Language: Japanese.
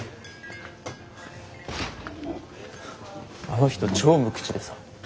あの人超無口でさ。